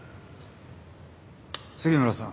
杉村さん